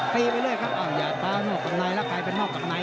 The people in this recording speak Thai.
ตีไปเลยครับอย่าตามกับในแล้วใครเป็นเหมาะกับในนะ